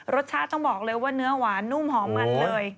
รสชาติต้องบอกเลยว่าเนื้อหวานนุ่มหอมมันเลย